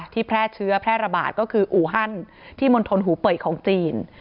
แพร่เชื้อแพร่ระบาดก็คืออูฮันที่มณฑลหูเป่ยของจีน